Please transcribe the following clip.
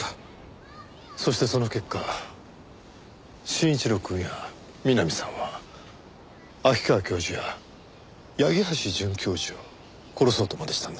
そしてその結果真一郎くんや美波さんは秋川教授や八木橋准教授を殺そうとまでしたんですよ。